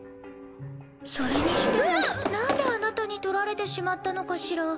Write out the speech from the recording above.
それにしてもなんであなたに取られてしまったのかしら？